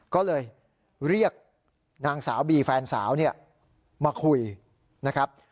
ก็เลยเรียกนางสาวบีแฟนสาวเนี่ยมาคุยนะครับ